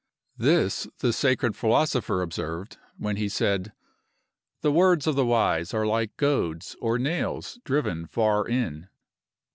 This the sacred philosopher observed, when he said: "The words of the wise are like goads or nails driven far in."